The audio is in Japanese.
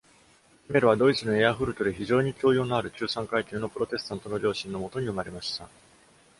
シメルはドイツのエアフルトで、非常に教養のある中産階級のプロテスタントの両親のもとに生まれました。